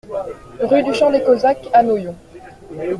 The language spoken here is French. Rue du Champ des Cosaques à Noyon